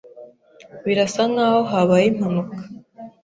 Birasa nkaho habaye impanuka.